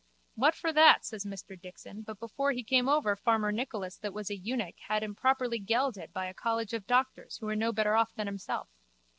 What for that, says Mr Dixon, but before he came over farmer Nicholas that was a eunuch had him properly gelded by a college of doctors who were no better off than himself.